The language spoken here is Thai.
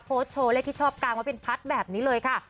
โชว์เลขที่ชอบกางไว้เป็นพัดแบบนี้เลยค่ะ